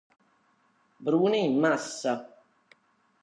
Brune in massa.